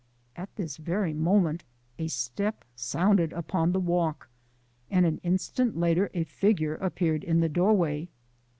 At this very moment a step sounded upon the walk, and an instant later a figure appeared in the doorway.